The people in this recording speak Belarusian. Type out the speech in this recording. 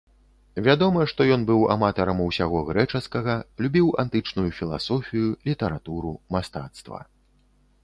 Вядома, што ён быў аматарам усяго грэчаскага, любіў антычную філасофію, літаратуру, мастацтва.